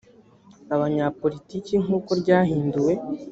abanyapolitiki nk uko ryahinduwe